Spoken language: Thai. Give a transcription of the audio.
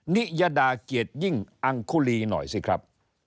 นิยดาเกียรติยิ่งอังคุรีหน่อยสิครับ